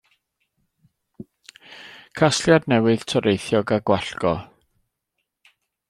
Casgliad newydd toreithiog a gwallgof.